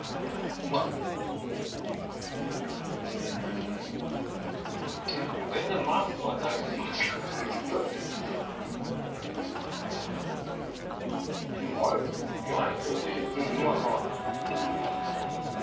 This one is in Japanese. うんうまいうまい。